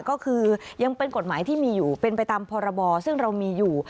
ก็คือยังเป็นกฎหมายที่มีอยู่เป็นไปตามพรบซึ่งเรามีอยู่